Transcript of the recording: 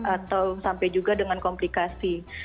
atau sampai juga dengan komplikasi